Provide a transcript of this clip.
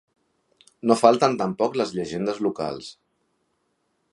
No falten tampoc les llegendes locals.